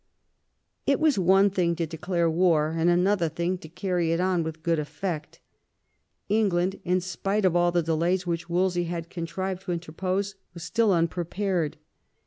It was one thing to declare war and another to carry it on with good effect. England, in spite of all the delays which Wolsey had contrived to interpose, was still unprepared.